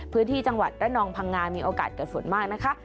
พื้นที่จังหวัดระนองพังงามีโอกาสเกิดฝนมากนะคะ